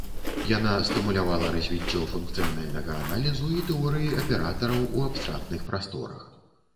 Яна стымулявала развіццё функцыянальнага аналізу і тэорыі аператараў у абстрактных прасторах.